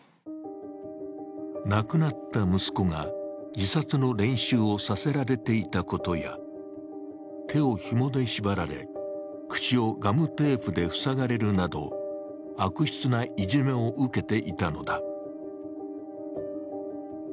亡くなった息子が自殺の練習をさせられていたことや手をひもで縛られ、口をガムテープで塞がれるなど悪質ないじめを受けていたのだ。